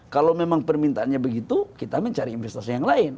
kalau memang permintaannya begitu kita mencari investasi yang lain